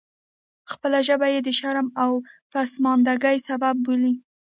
خپله ژبه یې د شرم او پسماندګۍ سبب بولي.